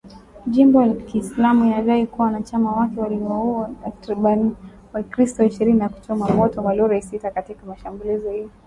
Jimbo Kiislamu ilidai kuwa wanachama wake waliwauwa takribani wakristo ishirini na kuchoma moto malori sita katika shambulizi hilo.